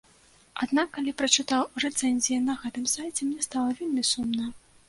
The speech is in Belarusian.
Аднак, калі прачытаў рэцэнзіі на гэтым сайце, мне стала вельмі сумна.